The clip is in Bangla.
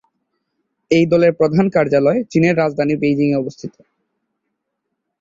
এই দলের প্রধান কার্যালয় চীনের রাজধানী বেইজিংয়ে অবস্থিত।